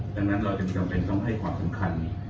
ดังนั้นเราจึงจำเป็นต้องให้ความสำคัญ